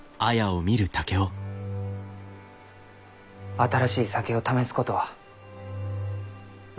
新しい酒を試すことはう